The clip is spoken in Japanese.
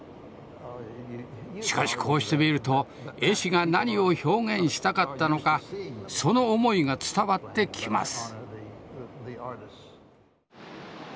しかしこうして見ると絵師が何を表現したかったのかその思いが伝わってきます。